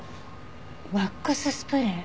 ワックススプレー？